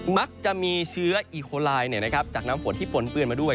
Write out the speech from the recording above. มักจะมีเชื้ออีโคลายจากน้ำฝนที่ปนเปื้อนมาด้วย